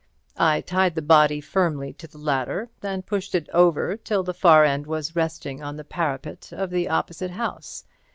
I tied the body firmly to the ladder, and pushed it over till the far end was resting on the parapet of the opposite house.